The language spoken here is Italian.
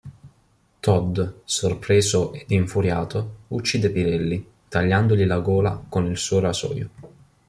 Todd, sorpreso ed infuriato, uccide Pirelli, tagliandogli la gola con il suo rasoio.